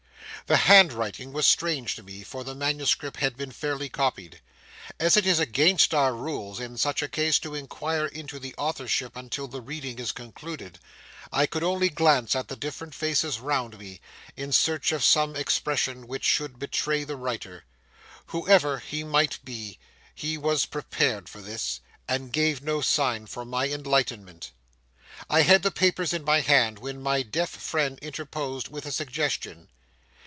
The handwriting was strange to me, for the manuscript had been fairly copied. As it is against our rules, in such a case, to inquire into the authorship until the reading is concluded, I could only glance at the different faces round me, in search of some expression which should betray the writer. Whoever he might be, he was prepared for this, and gave no sign for my enlightenment. I had the papers in my hand, when my deaf friend interposed with a suggestion.